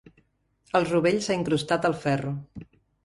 El rovell s'ha incrustat al ferro.